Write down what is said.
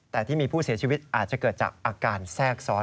แต่ที่มีผู้เสียชีวิตอาจจะเกิดจากอาการแทรกซ้อน